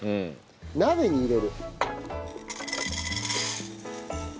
鍋に入れる。